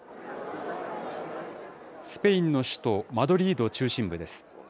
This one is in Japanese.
スペインの首都マドリード中心部です。